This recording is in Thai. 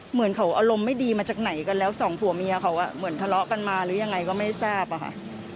เหมือนเขาอารมณ์ไม่ดีมาจากไหนกันแล้วสองผัวเมียเขาเหมือนทะเลาะกันมาหรือยังไงก็ไม่ทราบอะค่ะ